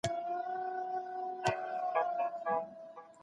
اسلام د علم او پوهې دين دی.